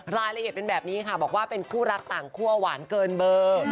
รายละเอียดเป็นแบบนี้ค่ะบอกว่าเป็นคู่รักต่างคั่วหวานเกินเบอร์